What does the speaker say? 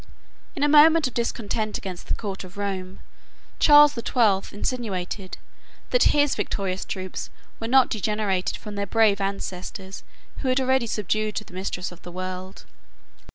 In a moment of discontent against the court of Rome, Charles the Twelfth insinuated, that his victorious troops were not degenerated from their brave ancestors, who had already subdued the mistress of the world.